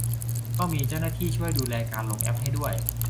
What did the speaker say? ก็มีเจ้าหน้าที่ช่วยดูแลการลงแอปให้ด้วย